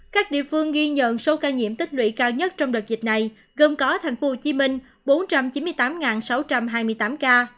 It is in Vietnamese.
các địa phương ghi nhận số ca nhiễm tích lũy cao nhất trong đợt dịch này gồm có thành phố hồ chí minh bốn trăm chín mươi tám sáu trăm hai mươi tám ca